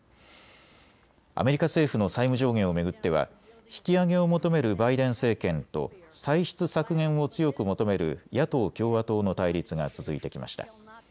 アメリカ政府の債務上限を巡っては引き上げを求めるバイデン政権と歳出削減を強く求める野党・共和党の対立が続いてきました。